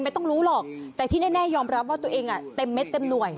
ไม่ต้องรู้หรอกแต่ที่แน่ยอมรับว่าตัวเองเต็มเม็ดเต็มหน่วย